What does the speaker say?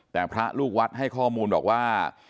แต่พระลูกวัดให้ข้อมูลบอกว่า